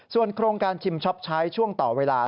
ส่วนโครงการชิมช็อปใช้ช่วงต่อเวลา